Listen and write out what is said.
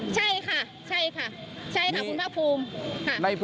ใช่ค่ะใช่ค่ะใช่ค่ะคุณภาคภูมิ